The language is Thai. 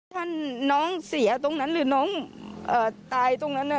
ถ้าน้องเสียตรงนั้นหรือน้องตายตรงนั้น